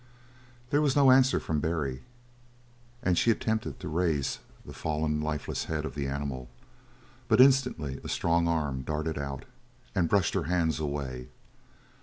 There was no answer from Barry, and she attempted to raise the fallen, lifeless head of the animal; but instantly a strong arm darted out and brushed her hands away.